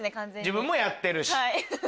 自分もやってるし。